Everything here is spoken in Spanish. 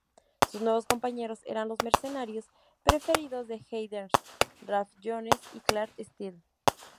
Sus nuevos compañeros eran los mercenarios preferidos de Heidern: Ralf Jones y Clark Steel.